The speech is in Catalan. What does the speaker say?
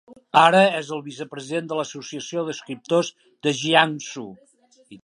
Ara és el vicepresident de l'Associació d'escriptors de Jiangsu.